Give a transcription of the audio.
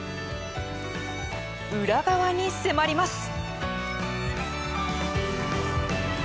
裏側に迫ります。